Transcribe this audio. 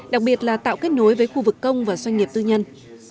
đặc biệt là tạo kết nối với khu vực công và doanh nghiệp tư nhân